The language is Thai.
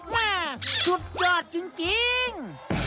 มาสุดยอดจริงจริง